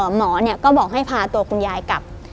หมอก็บอกให้พาตัวคุณยายกลับ